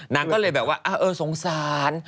นางก็เลยแบบว่าเออสงสาร